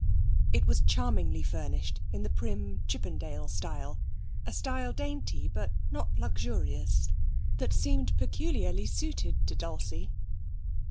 It was charmingly furnished in the prim Chippendale style, a style dainty, but not luxurious, that seemed peculiarly suited to Dulcie.